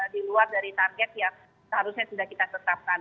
di luar dari target yang seharusnya sudah kita tetapkan